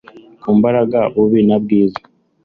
ku mbaraga bubi na bwiza,